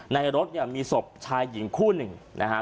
ในรถเนี่ยมีศพชายหญิงคู่๑นะคะ